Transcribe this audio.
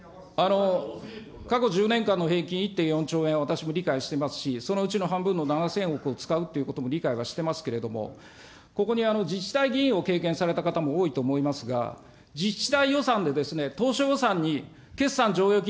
過去１０年間の平均１．４兆円、私も理解していますし、そのうちの半分の７０００億を使うってことも理解はしてますけれども、ここに自治体議員を経験された方も多いと思いますが、自治体予算で当初予算に決算剰余金